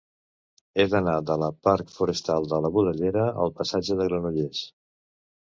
He d'anar de la parc Forestal de la Budellera al passatge de Granollers.